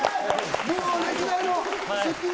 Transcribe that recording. もう歴代の『スッキリ』